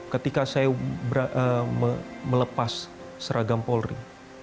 ketika saya melepas seragam polri